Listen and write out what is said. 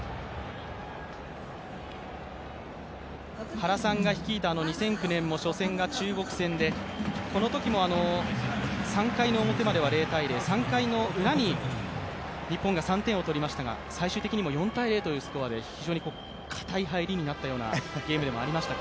原さんが率いた２００９年も初戦が中国戦でこのときも３回の表までは０−０、３回ウラに日本が３点を取りましたが、最終的にも４−０というスコアで非常にかたいスコアで入ったゲームでしたが。